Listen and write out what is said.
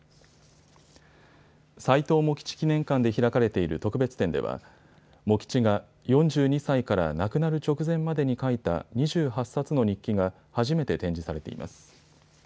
斎藤茂吉記念館で開かれている特別展では茂吉が４２歳から亡くなる直前までに書いた２８冊の日記が初めて展示されています。